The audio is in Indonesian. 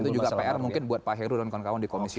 itu juga pr mungkin buat pak heru dan kawan kawan di komisi dua